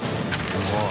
すごい。